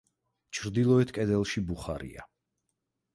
ჩრდილოეთ კედელში ბუხარია.